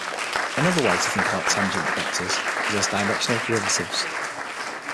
Another way to think about tangent vectors is as directional derivatives.